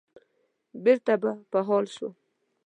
بېرته به په حال شوم.